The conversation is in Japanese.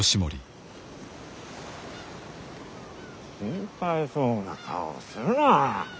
心配そうな顔をするな。